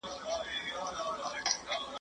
د عاید د اندازه کولو په وخت کي قیمتونه کتل کیږي.